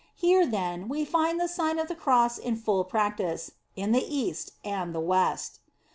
Here, then, we find the Sign of the Cross in full practice, in the East and the West.